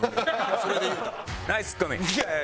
それで言うたら。